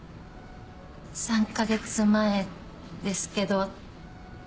３か月前ですけど。